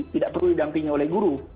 tidak perlu didampingi oleh guru